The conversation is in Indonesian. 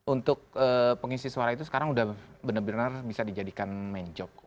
untuk pengisi suara itu sekarang udah bener bener bisa dijadikan main job